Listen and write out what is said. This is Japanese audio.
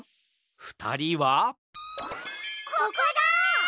ふたりはここだ！